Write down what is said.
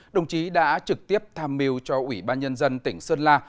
đồng chí đã trực tiếp tham mưu cho ủy ban nhân dân tỉnh sơn la